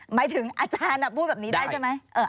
หมายถึงอาจารย์พูดแบบนี้ได้ใช่ไหม